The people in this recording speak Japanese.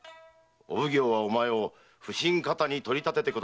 お奉行はお前を普請方に取り立ててくださるそうだ。